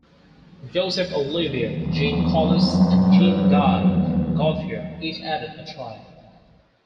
Joseph Olivier, Jean Collas, and Jean-Guy Gauthier each added a try.